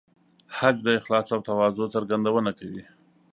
حج د اخلاص او تواضع څرګندونه کوي.